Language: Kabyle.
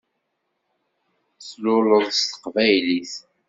Tluleḍ-d s teqbaylit.